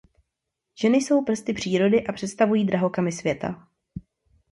Ženy jsou prsty přírody a představují drahokamy světa.